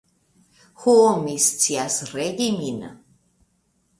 Ho, mi scias regi min.